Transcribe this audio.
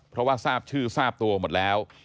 เพราะว่าทราบชื่อทราบตัวหมดแล้ว